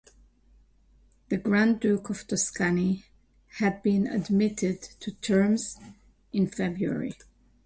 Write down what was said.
The grand duke of Tuscany had been admitted to terms in February.